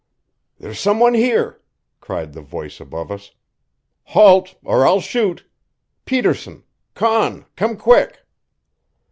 "There's some one here!" cried the voice above us. "Halt, or I'll shoot! Peterson! Conn! Come quick!"